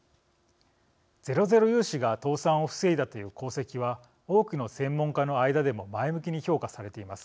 ゼロゼロ融資が倒産を防いだという功績は多くの専門家の間でも前向きに評価されています。